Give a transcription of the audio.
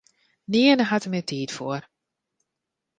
Nearne hat er mear tiid foar.